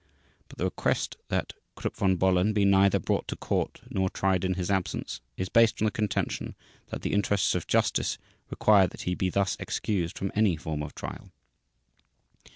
But the request that Krupp von Bohlen be neither brought to court nor tried in his absence is based on the contention that "the interests of justice" require that he be thus excused from any form of trial.